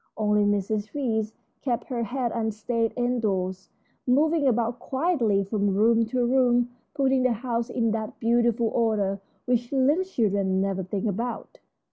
Only Mrs. Reece kept her head and stayed indoors, moving about quietly from room to room, putting the house in that beautiful order which little children never think about.